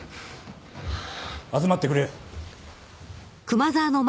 集まってくれ。